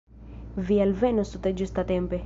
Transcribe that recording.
Vi alvenos tute ĝustatempe.